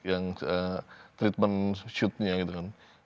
yang treatment shootnya gitu kan